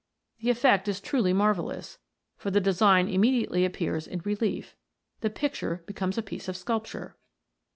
The effect is truly marvellous, for the de sign immediately appears in relief the picture becomes a piece of sculpture